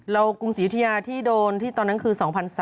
กรุงศรียุธยาที่โดนที่ตอนนั้นคือ๒๓๐๐